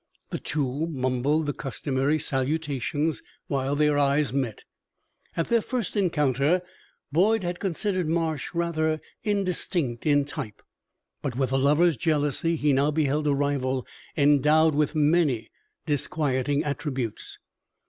The two mumbled the customary salutations while their eyes met. At their first encounter Boyd had considered Marsh rather indistinct in type, but with a lover's jealousy he now beheld a rival endowed with many disquieting attributes.